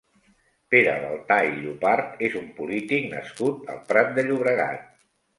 Pere Baltà i Llopart és un polític nascut al Prat de Llobregat.